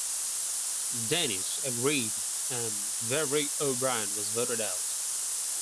Dennis agreed and Vavrick-O'Brien was voted out.